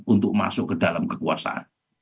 untuk masuk ke dalam kekuasaan